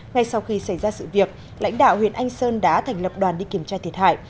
ngay sau khi xảy ra sự việc lãnh đạo huyện anh sơn đã thành lập đoàn đi kiểm tra thiệt hại